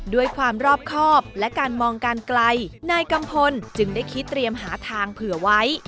ด้วยความรอบครอบและการมองการไกลนายกัมพลจึงได้คิดเตรียมหาทางเผื่อไว้